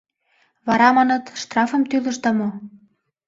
— Вара, маныт, штрафым тӱлышда мо?